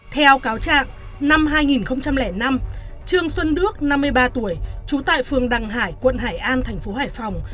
theo cáo trạng năm hai nghìn năm trương xuân đức năm mươi ba tuổi trú tại phường đằng hải quận hải an thành phố hải phòng